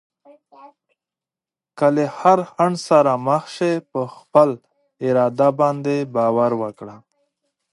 که له هر خنډ سره مخ شې، په خپل اراده باندې باور وکړه.